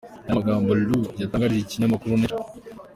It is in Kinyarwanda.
Aya ni amagambo Lu yatangarije ikinyamakuru Nature.